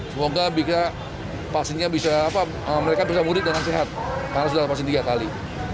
semoga mereka bisa mudik dengan sehat karena sudah vaksin tiga kali